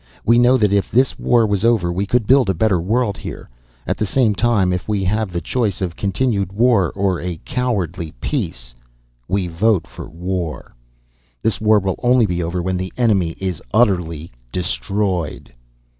We know that if this war was over we could build a better world here. At the same time, if we have the choice of continued war or a cowardly peace we vote for war. This war will only be over when the enemy is utterly destroyed!"